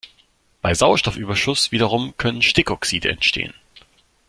Bei Sauerstoffüberschuss wiederum können Stickoxide entstehen.